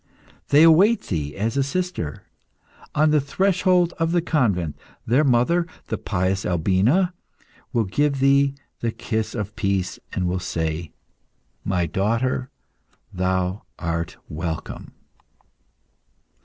They await thee as a sister. On the threshold of the convent, their mother, the pious Albina, will give thee the kiss of peace and will say, 'My daughter, thou art welcome!